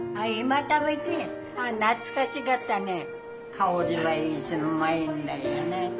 香りはいいしうまいんだよね。